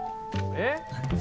えっ？